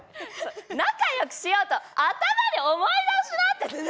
「仲良くしようと頭で思い直しな」って何？